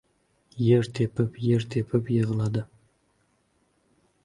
Yer tepib-yer tepib yig‘ladi.